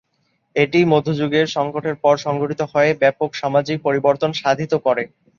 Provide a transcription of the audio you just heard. এটি মধ্যযুগের সংকটের পর সংঘটিত হয়ে ব্যাপক সামাজিক পরিবর্তন সাধিত করে।